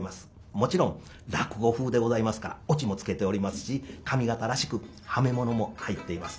もちろん落語風でございますからオチもつけておりますし上方らしくハメモノも入っています。